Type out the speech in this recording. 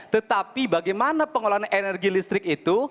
tetapi bagaimana pengelolaan energi listrik itu